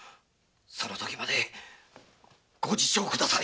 そのときまで御自重ください！